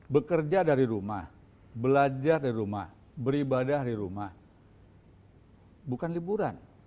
bekerja dari rumah belajar dari rumah beribadah dari rumah bukan liburan